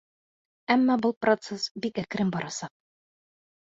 Әммә был процесс бик әкрен барасаҡ.